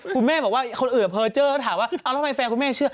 คนอื่นออกไปเพอเจอถามว่าเอาล่ะมีแฟนของแม่อยู่เชื่อ